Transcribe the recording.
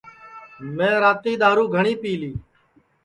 میں راتی دؔارُو گھٹؔی پی لی